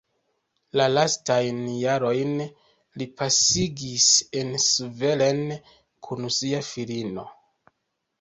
La lastajn jarojn li pasigis en Zvolen kun sia filino.